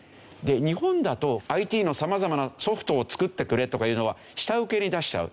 日本だとＩＴの様々なソフトを作ってくれとかいうのは下請けに出しちゃう。